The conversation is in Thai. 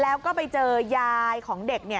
แล้วก็ไปเจอยายของเด็กเนี่ย